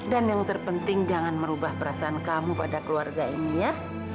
dan yang terpenting jangan merubah perasaan kamu pada keluarga ini ya